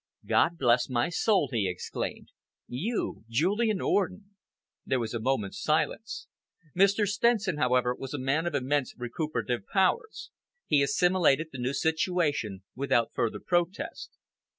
"God bless my soul!" he exclaimed. "You Julian Orden!" There was a moment's silence. Mr. Stenson, however, was a man of immense recuperative powers. He assimilated the new situation without further protest.